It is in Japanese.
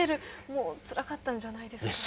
もうつらかったんじゃないですか？